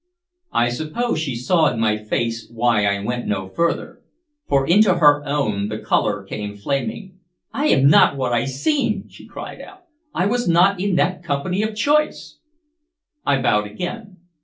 I suppose she saw in my face why I went no further, for into her own the color came flaming. "I am not what I seem!" she cried out. "I was not in that company of choice!" I bowed again.